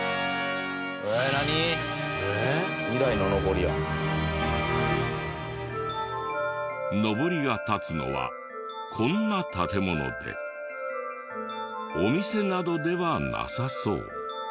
のぼりが立つのはこんな建物でお店などではなさそう。